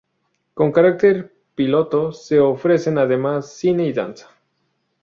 Con carácter piloto, se ofrecen además, "Cine y Danza".